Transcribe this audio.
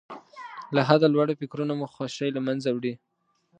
له حده لوړ فکرونه مو خوښۍ له منځه وړي.